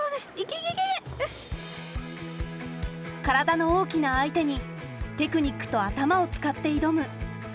体の大きな相手にテクニックと頭を使って挑む